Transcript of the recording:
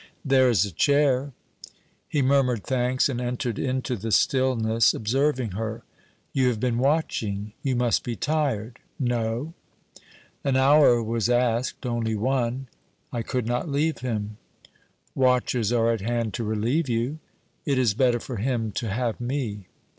'There is a chair.' He murmured thanks and entered into the stillness, observing her. 'You have been watching.... You must be tired.' 'No.' 'An hour was asked, only one.' 'I could not leave him.' 'Watchers are at hand to relieve you' 'It is better for him to have me.'